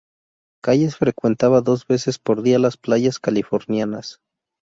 Calles frecuentaba dos veces por día las playas californianas.